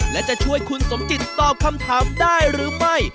และจะช่วยคุณสมจิตตอบคำถามได้หรือไม่